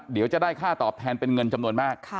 เดี๋ยวจะได้ค่าตอบแทนเป็นเงินจำนวนมาก